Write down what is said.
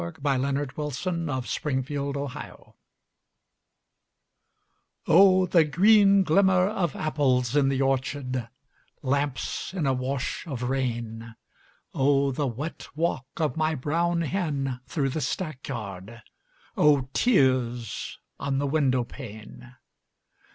LAWRENCE BALLAD OF ANOTHER OPHELIA Oh, the green glimmer of apples in the orchard, Lamps in a wash of rain, Oh, the wet walk of my brown hen through the stackyard, Oh, tears on the window pane!